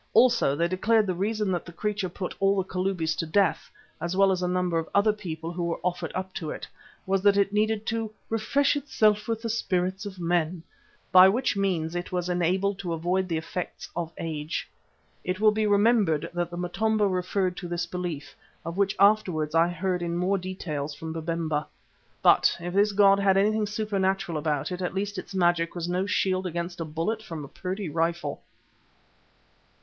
Also they declared that the reason the creature put all the Kalubis to death, as well as a number of other people who were offered up to it, was that it needed "to refresh itself with the spirits of men," by which means it was enabled to avoid the effects of age. It will be remembered that the Motombo referred to this belief, of which afterwards I heard in more detail from Babemba. But if this god had anything supernatural about it, at least its magic was no shield against a bullet from a Purdey rifle.